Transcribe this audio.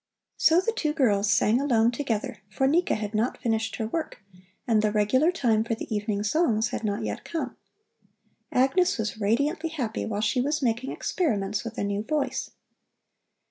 So the two girls sang alone together, for Nika had not finished her work, and the regular time for the evening songs had not yet come. Agnes was radiantly happy while she was making experiments with a new voice.